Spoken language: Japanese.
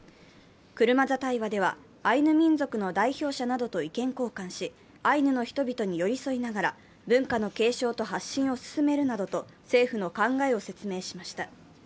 車座対話では、アイヌ民族の代表者などと意見交換し、アイヌの人々に寄り添いながら文化の継承と発信を進めるなどと政府の考えを説明しました。